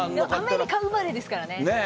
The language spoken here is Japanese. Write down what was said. アメリカ生まれですからね。